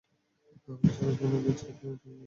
নাহলে, সারা জীবন জ্যাক হয়েই থাকবি।